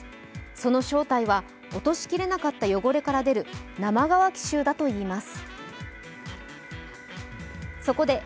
その正体は、落としきれなかった汚れから出る生乾き臭だといいます。